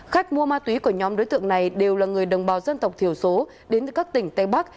khách mua ma túy của nhóm đối tượng này đều là người đồng bào dân tộc thiểu số đến từ các tỉnh tây bắc